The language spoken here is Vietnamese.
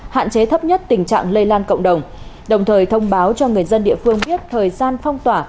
hạn chế thấp nhất tình trạng lây lan cộng đồng đồng thời thông báo cho người dân địa phương biết thời gian phong tỏa